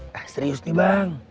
hah serius nih bang